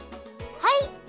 はい！